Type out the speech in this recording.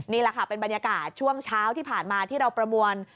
นี่แหละค่ะเป็นบรรยากาศช่วงเช้าที่ผ่านมาที่เราประมวล